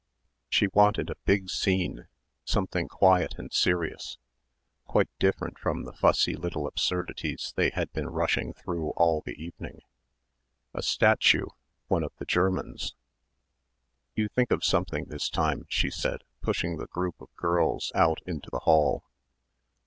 She wanted a big scene, something quiet and serious quite different from the fussy little absurdities they had been rushing through all the evening. A statue ... one of the Germans. "You think of something this time," she said, pushing the group of girls out into the hall.